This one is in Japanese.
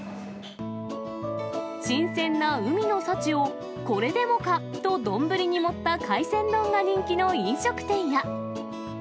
新鮮な海の幸をこれでもかと丼に盛った海鮮丼が人気の飲食店や。